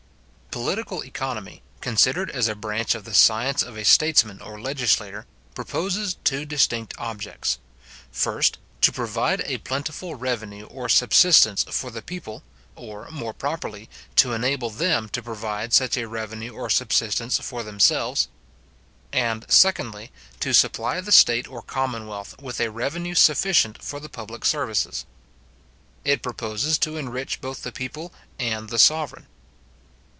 Political economy, considered as a branch of the science of a statesman or legislator, proposes two distinct objects; first, to provide a plentiful revenue or subsistence for the people, or, more properly, to enable them to provide such a revenue or subsistence for themselves; and, secondly, to supply the state or commonwealth with a revenue sufficient for the public services. It proposes to enrich both the people and the sovereign.